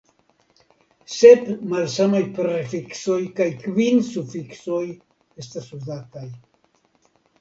Sep malsamaj prefiksoj kaj kvin sufiksoj estas uzataj.